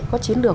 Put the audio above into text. có chiến lược